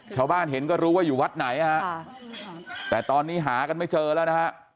ชาวบ้านเห็นก็รู้ว่าอยู่วัดไหนฮะแต่ตอนนี้หากันไม่เจอแล้วนะฮะ